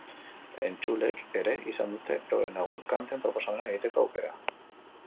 Entzuleek ere izan dute euren agur kanten proposamenak egiteko aukera.